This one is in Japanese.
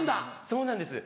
そうなんです。